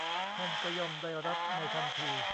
ท่านก็ย่อมได้รับในทันที